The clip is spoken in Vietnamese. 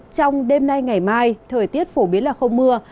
trong đêm nay ngày mai thời tiết phổ biến là không mưa